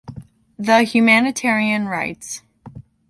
the humanitarian rights.